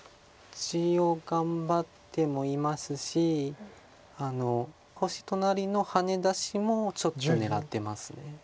地を頑張ってもいますし星隣のハネ出しもちょっと狙ってます。